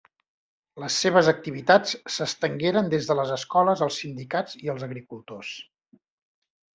Les seves activitats s'estengueren des de les escoles als sindicats i als agricultors.